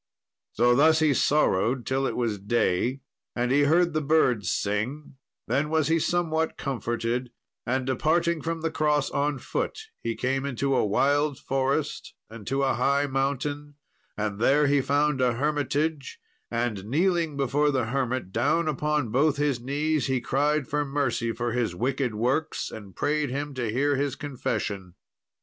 So thus he sorrowed till it was day, and he heard the birds sing; then was he somewhat comforted, and departing from the cross on foot, he came into a wild forest, and to a high mountain, and there he found a hermitage; and, kneeling before the hermit down upon both his knees, he cried for mercy for his wicked works, and prayed him to hear his confession.